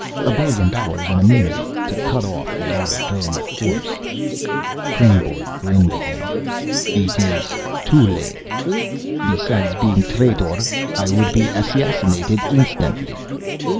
"A billion dollars and immunity to cut off the outer dome of force." Kreynborg grinned at him. "It is too late. Besides being a traitor, I would be assassinated instantly.